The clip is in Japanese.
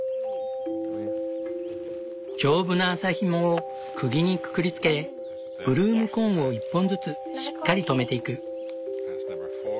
丈夫な麻ひもをくぎにくくりつけブルームコーンを１本ずつしっかり留めていく。